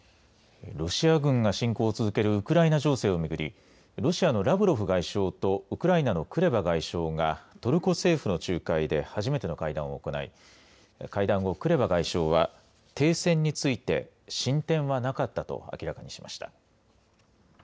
ロシア軍が侵攻を続けるウクライナ情勢をめぐりロシアのラブロフ外相とウクライナのクレバ外相がトルコ政府の仲介で初めての会談を行い会談後、クレバ外相は停戦について進展はなかったと明らかにしました。